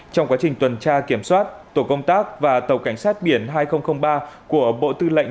trong quá trình tuần tra kiểm soát tổ công tác và tàu cảnh sát biển hai nghìn ba của bộ tư lệnh vùng cảnh sát biển